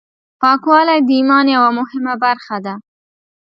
پاکوالی د ایمان یوه مهمه برخه ده.